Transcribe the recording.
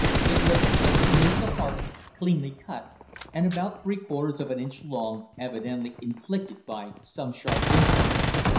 It was just beneath the heart, cleanly cut, and about three quarters of an inch long, evidently inflicted by some sharp instrument.